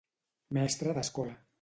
Mestre d'escola.